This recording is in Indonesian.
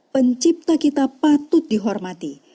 pencipta kita patut dihormati